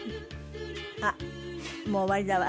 あっもう終わりだわ。